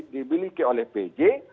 dibiliki oleh pj